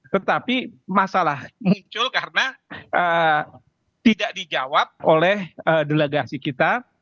tetapi masalah muncul karena tidak dijawab oleh delegasi kita